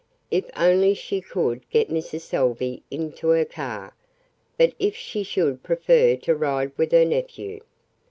If only she could get Mrs. Salvey into her car. But if she should prefer to ride with her nephew.